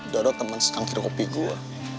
dodo temen setangkir kopi gue